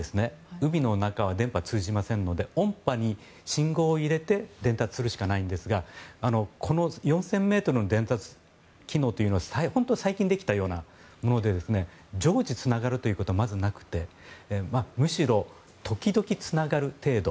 海の中は電波が通じませんので音波に信号を入れて伝達するしかないんですがこの４０００ｍの伝達機能というのは本当に最近できたようなもので常時、つながることはまずなくてむしろ時々つながる程度。